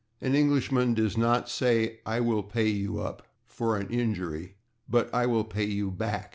An Englishman does not say "I will pay you /up/" for an injury, but "I will pay you /back